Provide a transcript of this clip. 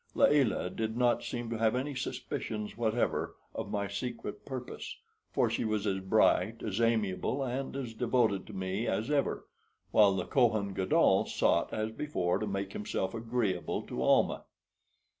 Layelah did not seem to have any suspicions whatever of my secret purpose; for she was as bright, as amiable, and as devoted to me as ever, while the Kohen Gadol sought as before to make himself agreeable to Almah.